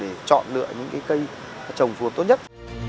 để chọn lựa những cây trồng phù hợp tốt nhất